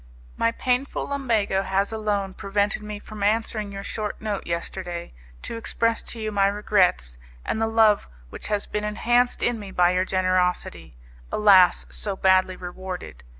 My painful lumbago has alone prevented me from answering your short note yesterday, to express to you my regrets, and the love which has been enhanced in me by your generosity, alas! so badly rewarded.